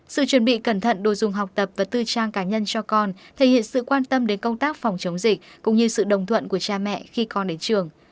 sự chuẩn bị cẩn thận đồ dùng học tập và tư trang cá nhân cho con thể hiện sự quan tâm đến công tác phòng chống dịch cũng như sự đồng thuận của cha mẹ khi con đến trường